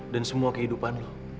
dan semua kehidupan lu